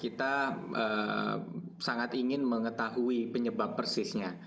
kita sangat ingin mengetahui penyebab persisnya